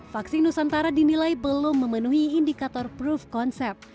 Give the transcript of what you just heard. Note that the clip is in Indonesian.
vaksin nusantara dinilai belum memenuhi indikator proof concept